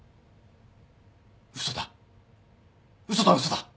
嘘だ嘘だ嘘だ。